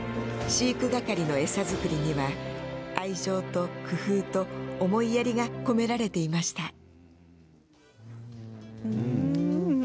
飼育係の餌作りには愛情と工夫と思いやりが込められていました。